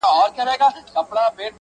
هغه ځواب کې ورته وايي